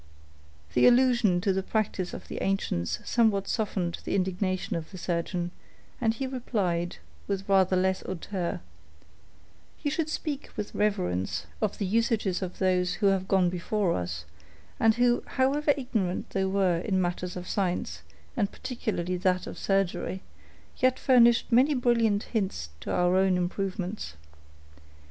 The allusion to the practice of the ancients somewhat softened the indignation of the surgeon, and he replied, with rather less hauteur,— "You should speak with reverence of the usages of those who have gone before us, and who, however ignorant they were in matters of science, and particularly that of surgery, yet furnished many brilliant hints to our own improvements.